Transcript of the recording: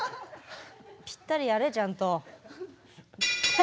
ぴったりやれちゃんと。